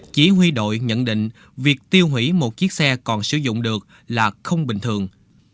chỉ huy đội nhận định việc tiêu hủy một chiếc xe còn sử dụng được là không bình thường